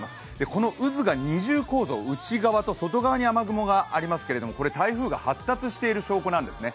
この渦が二重構造、内側と外側に雨雲がありますけれどもこれ、台風が発達している証拠なんですね。